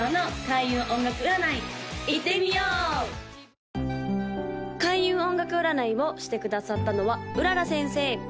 ・開運音楽占いをしてくださったのは麗先生